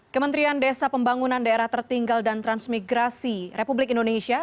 kementerian desa pembangunan daerah tertinggal dan transmigrasi republik indonesia